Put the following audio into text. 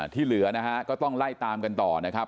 ที่เหลือนะฮะก็ต้องไล่ตามกันต่อนะครับ